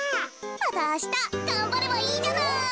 またあしたがんばればいいじゃない。